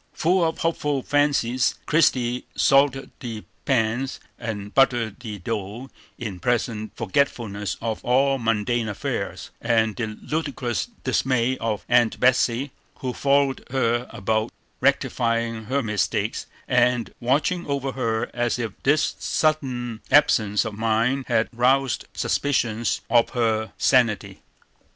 Full of hopeful fancies, Christie salted the pans and buttered the dough in pleasant forgetfulness of all mundane affairs, and the ludicrous dismay of Aunt Betsey, who followed her about rectifying her mistakes, and watching over her as if this sudden absence of mind had roused suspicions of her sanity.